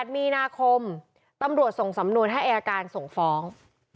๘มีนาคมตำรวจส่งสำนวนให้อายการส่งฟ้อง